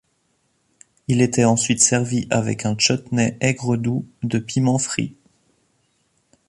Il était ensuite servi avec un chutney aigre-doux de piments frits.